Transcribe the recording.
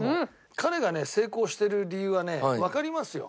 彼がね成功してる理由はねわかりますよ。